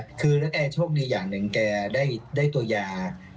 คือแล้วแกโชคดีอย่างหนึ่งแกได้ตัวยา